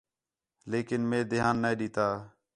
لیکن مئے دھیان نَے ݙِتّا